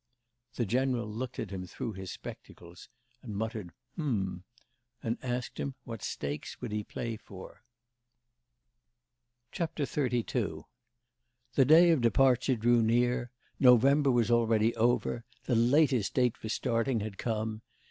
The general looked at him through his spectacles, muttered, 'H'm!' and asked him what stakes would he play for. XXXII The day of departure drew near. November was already over; the latest date for starting had come.